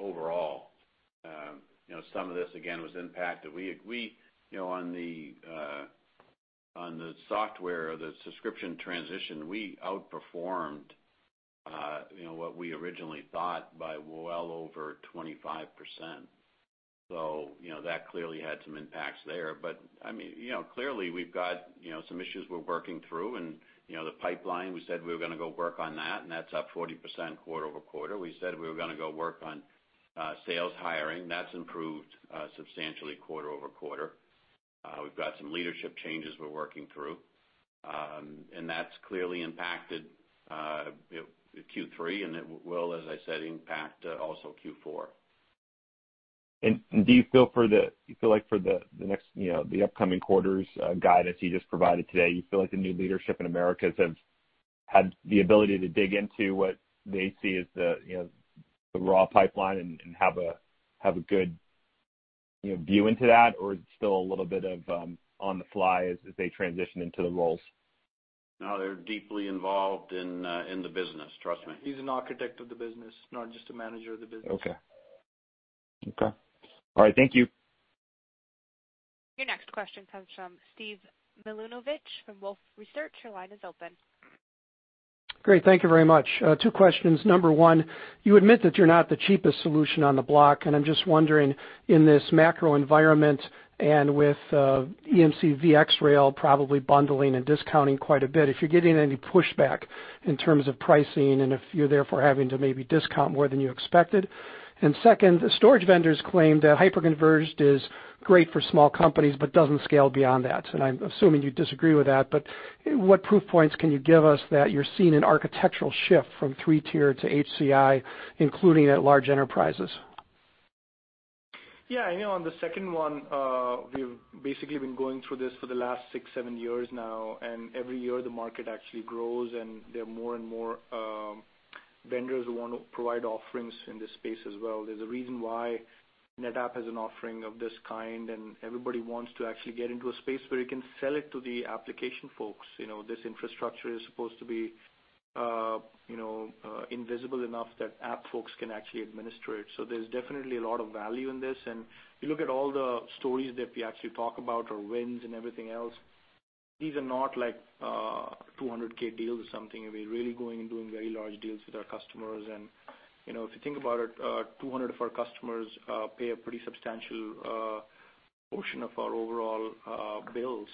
overall. Some of this, again, was impacted. On the software or the subscription transition, we outperformed what we originally thought by well over 25%. That clearly had some impacts there. Clearly, we've got some issues we're working through and the pipeline, we said we were going to go work on that, and that's up 40% quarter-over-quarter. We said we were going to go work on sales hiring. That's improved substantially quarter-over-quarter. We've got some leadership changes we're working through. That's clearly impacted Q3, and it will, as I said, impact also Q4. Do you feel like for the upcoming quarters guidance you just provided today, you feel like the new leadership in Americas have had the ability to dig into what they see as the raw pipeline and have a good view into that? Or it's still a little bit of on the fly as they transition into the roles? No, they're deeply involved in the business, trust me. He's an architect of the business, not just a manager of the business. Okay. All right. Thank you. Your next question comes from Steve Milunovich from Wolfe Research. Your line is open. Great. Thank you very much. Two questions. Number one, you admit that you're not the cheapest solution on the block. I'm just wondering, in this macro environment and with EMC VxRail probably bundling and discounting quite a bit, if you're getting any pushback in terms of pricing and if you're therefore having to maybe discount more than you expected. Second, storage vendors claim that hyperconverged is great for small companies but doesn't scale beyond that. I'm assuming you disagree with that, but what proof points can you give us that you're seeing an architectural shift from three-tier to HCI, including at large enterprises? Yeah. On the second one, we've basically been going through this for the last six, seven years now. Every year the market actually grows and there are more and more vendors who want to provide offerings in this space as well. There's a reason why NetApp has an offering of this kind. Everybody wants to actually get into a space where you can sell it to the application folks. This infrastructure is supposed to be invisible enough that app folks can actually administer it. There's definitely a lot of value in this. You look at all the stories that we actually talk about or wins and everything else. These are not like $200K deals or something. We're really going and doing very large deals with our customers. If you think about it, 200 of our customers pay a pretty substantial portion of our overall bills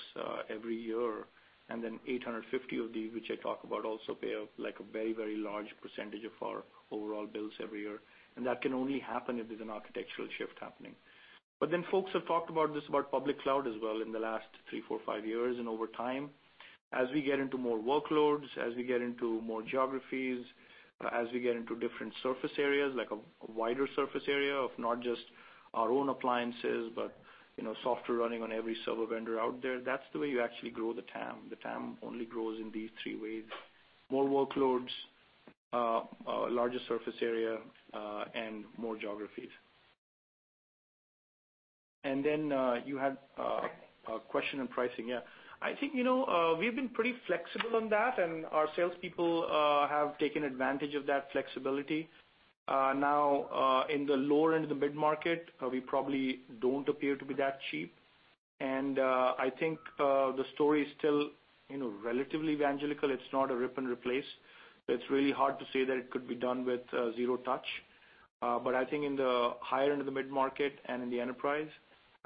every year. Then 850 of these, which I talk about also pay like a very, very large percentage of our overall bills every year. That can only happen if there's an architectural shift happening. Folks have talked about this, about public cloud as well in the last three, four, five years and over time. As we get into more workloads, as we get into more geographies, as we get into different surface areas, like a wider surface area of not just our own appliances, but software running on every server vendor out there. That's the way you actually grow the TAM. The TAM only grows in these three ways. More workloads, a larger surface area, and more geographies. You had a question on pricing. Yeah. I think we've been pretty flexible on that, our salespeople have taken advantage of that flexibility. In the lower end of the mid-market, we probably don't appear to be that cheap. I think the story is still relatively evangelical. It's not a rip and replace. It's really hard to say that it could be done with zero touch. I think in the higher end of the mid-market and in the enterprise,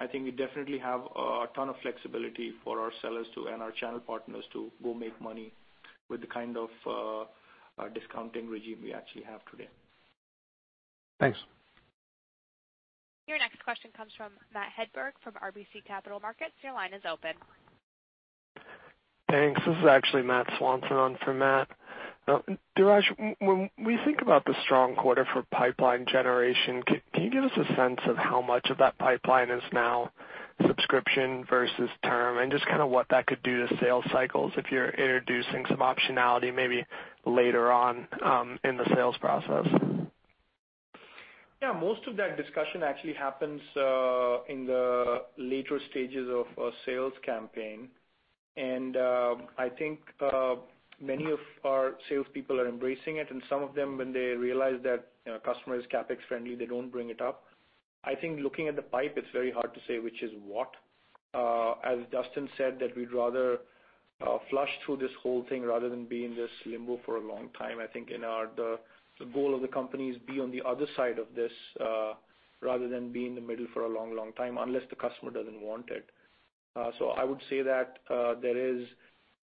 I think we definitely have a ton of flexibility for our sellers and our channel partners to go make money with the kind of discounting regime we actually have today. Thanks. Your next question comes from Matt Hedberg from RBC Capital Markets. Your line is open. Thanks. This is actually Matt Swanson on for Matt. Dheeraj, when we think about the strong quarter for pipeline generation, can you give us a sense of how much of that pipeline is now subscription versus term and just what that could do to sales cycles if you're introducing some optionality maybe later on in the sales process? Most of that discussion actually happens in the later stages of a sales campaign. I think many of our salespeople are embracing it, and some of them, when they realize that a customer is CapEx friendly, they don't bring it up. I think looking at the pipe, it's very hard to say which is what. As Duston said, that we'd rather flush through this whole thing rather than be in this limbo for a long time. I think the goal of the company is be on the other side of this, rather than be in the middle for a long, long time, unless the customer doesn't want it. I would say that there is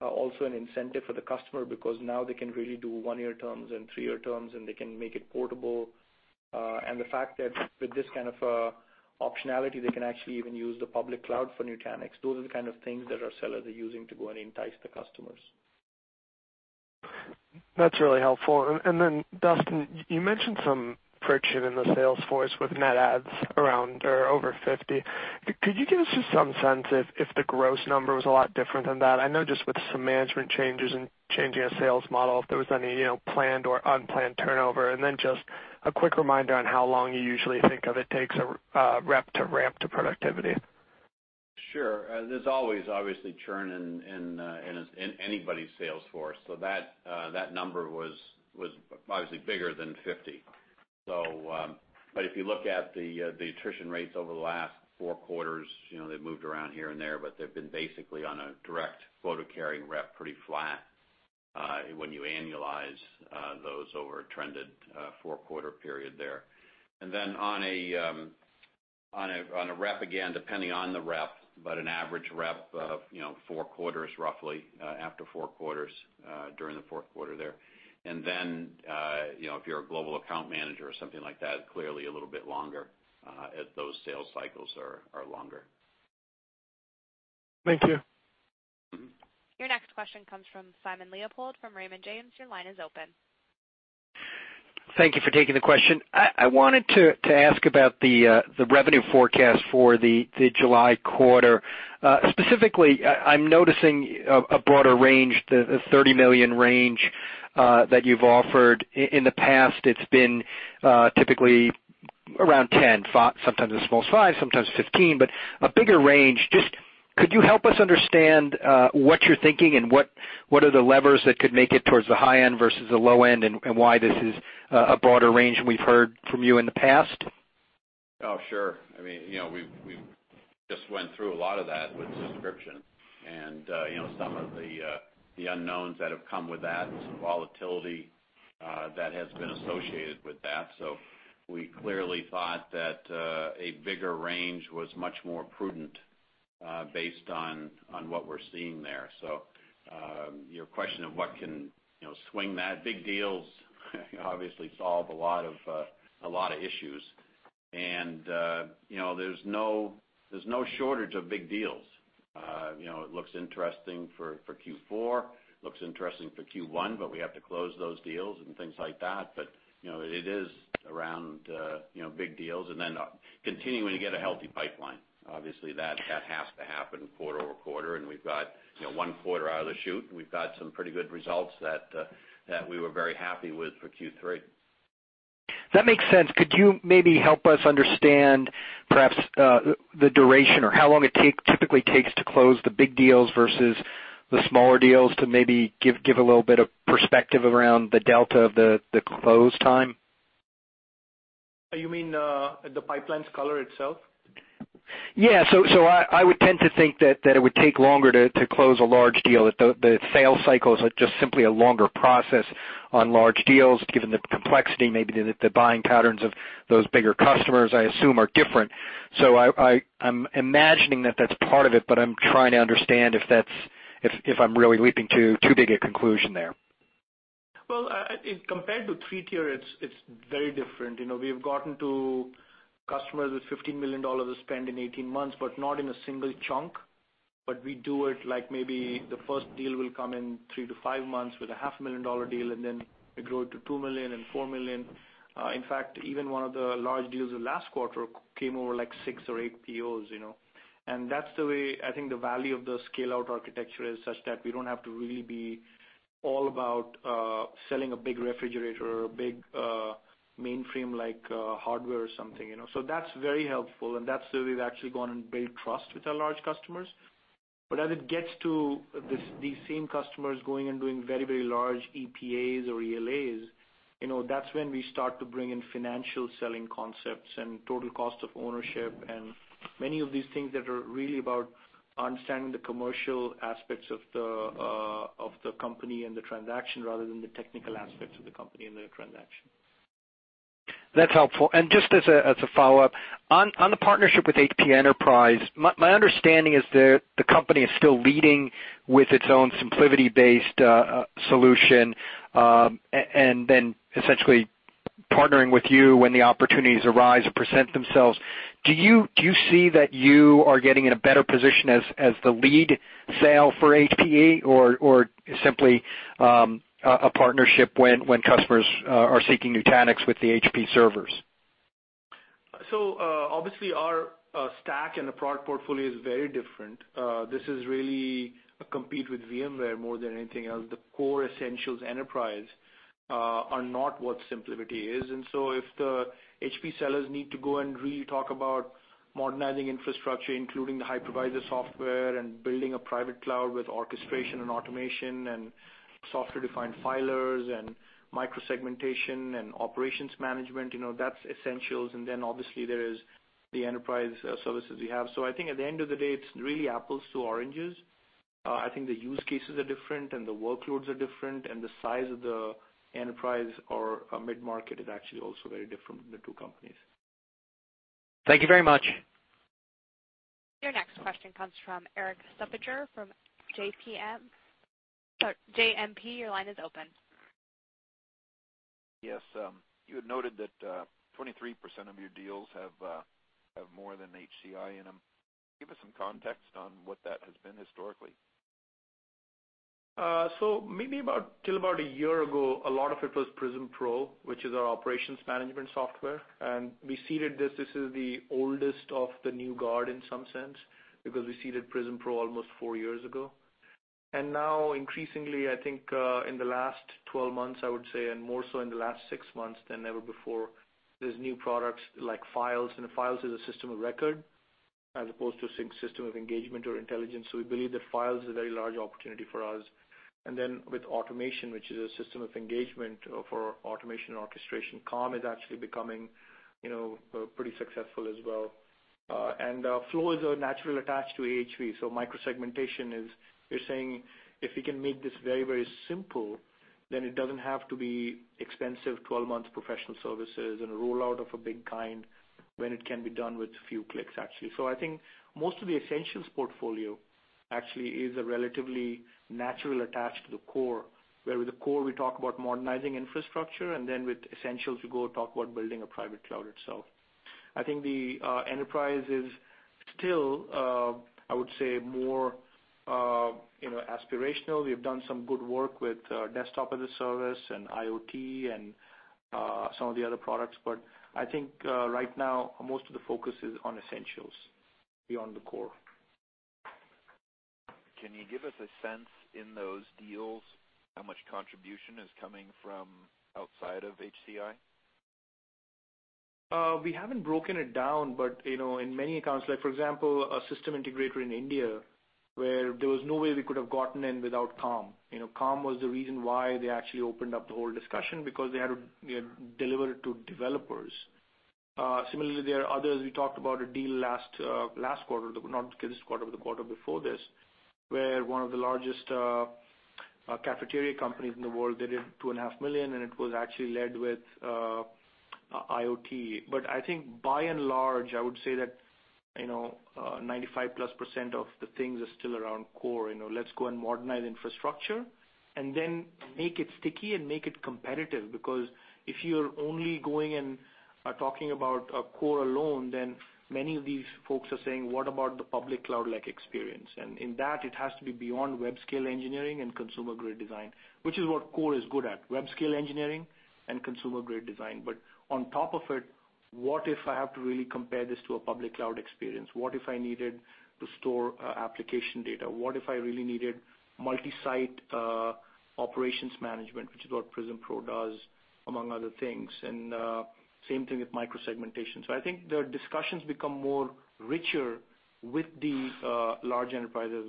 also an incentive for the customer because now they can really do one-year terms and three-year terms, and they can make it portable. The fact that with this kind of optionality, they can actually even use the public cloud for Nutanix. Those are the kind of things that our sellers are using to go and entice the customers. That's really helpful. Duston, you mentioned some friction in the sales force with net adds around or over 50. Could you give us just some sense if the gross number was a lot different than that? I know just with some management changes and changing a sales model, if there was any planned or unplanned turnover, and then just a quick reminder on how long you usually think of it takes a rep to ramp to productivity. Sure. There's always obviously churn in anybody's sales force. That number was obviously bigger than 50. If you look at the attrition rates over the last four quarters, they've moved around here and there, but they've been basically on a direct quota-carrying rep pretty flat when you annualize those over a trended four-quarter period there. On a rep, again, depending on the rep, but an average rep of four quarters, roughly after four quarters, during the fourth quarter there. If you're a global account manager or something like that, clearly a little bit longer, as those sales cycles are longer. Thank you. Your next question comes from Simon Leopold from Raymond James. Your line is open. Thank you for taking the question. I wanted to ask about the revenue forecast for the July quarter. Specifically, I'm noticing a broader range, the $30 million range that you've offered. In the past, it's been typically around 10, sometimes as small as five, sometimes 15, but a bigger range. Could you help us understand what you're thinking and what are the levers that could make it towards the high end versus the low end, and why this is a broader range than we've heard from you in the past? Oh, sure. We just went through a lot of that with subscription and some of the unknowns that have come with that, some volatility that has been associated with that. We clearly thought that a bigger range was much more prudent based on what we're seeing there. Your question of what can swing that, big deals obviously solve a lot of issues. There's no shortage of big deals. It looks interesting for Q4, looks interesting for Q1, we have to close those deals and things like that. It is around big deals and then continuing to get a healthy pipeline. Obviously, that has to happen quarter-over-quarter, we've got one quarter out of the chute, and we've got some pretty good results that we were very happy with for Q3. That makes sense. Could you maybe help us understand perhaps the duration or how long it typically takes to close the big deals versus the smaller deals to maybe give a little bit of perspective around the delta of the close time? You mean the pipeline's color itself? Yeah. I would tend to think that it would take longer to close a large deal, that the sales cycles are just simply a longer process on large deals, given the complexity, maybe the buying patterns of those bigger customers, I assume, are different. I'm imagining that that's part of it, but I'm trying to understand if I'm really leaping to too big a conclusion there. Well, compared to three-tier, it's very different. We've gotten to customers with $15 million of spend in 18 months, but not in a single chunk. We do it like maybe the first deal will come in three to five months with a half a million dollar deal, and then it'll grow to $2 million and $4 million. In fact, even one of the large deals of last quarter came over six or eight POs. That's the way I think the value of the scale-out architecture is such that we don't have to really be all about selling a big refrigerator or a big mainframe like hardware or something. That's very helpful, and that's where we've actually gone and built trust with our large customers. As it gets to these same customers going and doing very large EPAs or ELAs, that's when we start to bring in financial selling concepts and total cost of ownership and many of these things that are really about understanding the commercial aspects of the company and the transaction rather than the technical aspects of the company and the transaction. That's helpful. Just as a follow-up, on the partnership with HP Enterprise, my understanding is that the company is still leading with its own SimpliVity-based solution, and then essentially partnering with you when the opportunities arise or present themselves. Do you see that you are getting in a better position as the lead sale for HPE or simply a partnership when customers are seeking Nutanix with the HP servers? Obviously our stack and the product portfolio is very different. This is really a compete with VMware more than anything else. The core Essentials Enterprise are not what SimpliVity is. If the HP sellers need to go and really talk about modernizing infrastructure, including the hypervisor software and building a private cloud with orchestration and automation and software-defined filers and micro-segmentation and operations management, that's Essentials. Obviously there is the enterprise services we have. I think at the end of the day, it's really apples to oranges. I think the use cases are different and the workloads are different, and the size of the enterprise or mid-market is actually also very different in the two companies. Thank you very much. Your next question comes from Erik Suppiger from JMP. Sorry, JMP, your line is open. Yes. You had noted that 23% of your deals have more than HCI in them. Give us some context on what that has been historically. Maybe till about a year ago, a lot of it was Prism Pro, which is our operations management software. We seeded this. This is the oldest of the new guard in some sense because we seeded Prism Pro almost four years ago. Now increasingly, I think, in the last 12 months, I would say, and more so in the last six months than ever before, there's new products like Files. Files is a system of record as opposed to system of engagement or intelligence. We believe that Files is a very large opportunity for us. Then with automation, which is a system of engagement for automation and orchestration, Calm is actually becoming pretty successful as well. Flow is naturally attached to AHV. Micro-segmentation is, we're saying, if we can make this very simple, then it doesn't have to be expensive, 12 months professional services and a rollout of a big kind when it can be done with a few clicks, actually. I think most of the Essentials portfolio actually is a relatively natural attached to the core, where with the core, we talk about modernizing infrastructure, then with Essentials, we go talk about building a private cloud itself. I think the Enterprise is still, I would say, more aspirational. We've done some good work with Desktop-as-a-Service and IoT and some of the other products. I think right now, most of the focus is on Essentials beyond the core. Can you give us a sense in those deals how much contribution is coming from outside of HCI? We haven't broken it down, in many accounts, like for example, a system integrator in India where there was no way we could have gotten in without Calm. Calm was the reason why they actually opened up the whole discussion because they had to deliver it to developers. Similarly, there are others. We talked about a deal last quarter, not this quarter, but the quarter before this, where one of the largest cafeteria companies in the world did $2.5 million, and it was actually led with IoT. I think by and large, I would say that 95% plus of the things are still around core. Let's go and modernize infrastructure and then make it sticky and make it competitive. If you're only going and talking about a core alone, then many of these folks are saying, "What about the public cloud-like experience?" In that, it has to be beyond web-scale engineering and consumer-grade design, which is what core is good at, web-scale engineering and consumer-grade design. On top of it, what if I have to really compare this to a public cloud experience? What if I needed to store application data? What if I really needed multi-site operations management? Which is what Prism Pro does, among other things. Same thing with micro-segmentation. I think the discussions become more richer with these large enterprises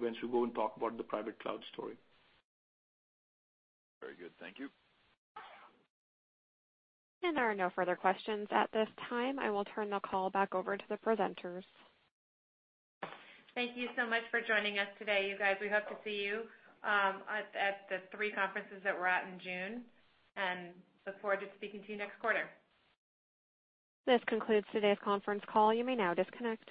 once we go and talk about the private cloud story. Very good. Thank you. There are no further questions at this time. I will turn the call back over to the presenters. Thank you so much for joining us today, you guys. We hope to see you at the three conferences that we're at in June, and look forward to speaking to you next quarter. This concludes today's conference call. You may now disconnect.